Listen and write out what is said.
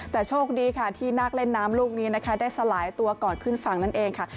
แต่โชคดีค่ะที่นักเล่นน้ำลูกนี้นะคะได้สลายตัวก่อนขึ้นฝั่งนั่นเองค่ะ